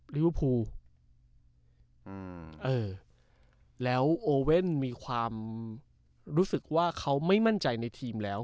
ลิเวอร์พูลอืมเออแล้วโอเว่นมีความรู้สึกว่าเขาไม่มั่นใจในทีมแล้ว